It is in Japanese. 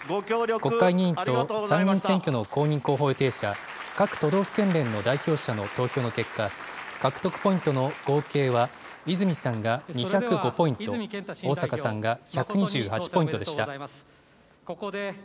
国会議員と参議院選挙の公認候補予定者、各都道府県連の代表者の投票の結果、獲得ポイントの合計は、泉さんが２０５ポイント、逢坂さんが１２８ポイントでした。